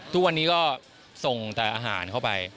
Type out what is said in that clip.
ทุกวันนี้ก็ส่งแต่อาหารเข้าไป